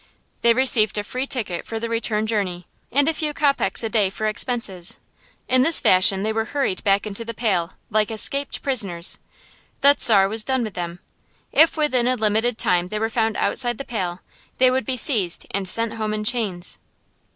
They received a free ticket for the return journey, and a few kopecks a day for expenses. In this fashion they were hurried back into the Pale, like escaped prisoners. The Czar was done with them. If within a limited time they were found outside the Pale, they would be seized and sent home in chains.